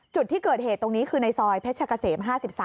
จุดที่เกิดเหตุตรงนี้คือในซอยเพชรกะเสม๕๓